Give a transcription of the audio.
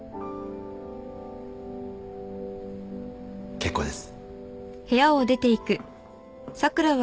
結構です。